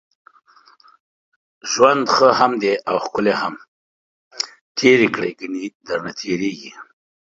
ژوند ښه هم دی اوښکلی هم دی تېر يې کړئ، کني درنه تېريږي